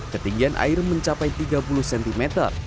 ketinggian air mencapai tiga puluh cm